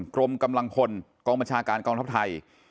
กรมกำลังพลกองบัญชาการกองทัพไทย